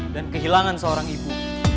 dan kehilangan seorang ibu